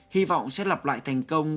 hy vọng sẽ lập lại thành công